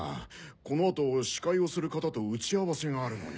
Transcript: この後司会をする方と打ち合わせがあるのに。